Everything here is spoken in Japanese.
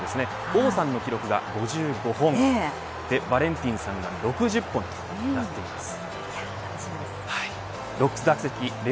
王さんの記録が５５本で、バレンティンさんが６０本となっています。